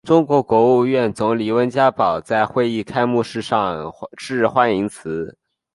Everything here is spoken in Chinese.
中国国务院总理温家宝在会议开幕式上致欢迎辞。